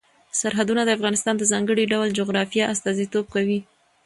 سرحدونه د افغانستان د ځانګړي ډول جغرافیه استازیتوب کوي.